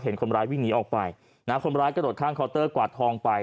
คนร้ายวิ่งหนีออกไปนะคนร้ายกระโดดข้างเคาน์เตอร์กวาดทองไป